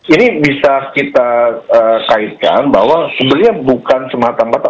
ini bisa kita kaitkan bahwa sebenarnya bukan semata mata